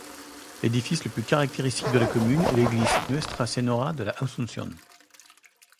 L'édifice le plus caractéristique de la commune est l'église Nuestra Señora de la Asunción.